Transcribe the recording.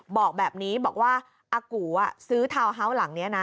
บอกแบบนี้บอกว่าอากูซื้อทาวน์เฮาส์หลังนี้นะ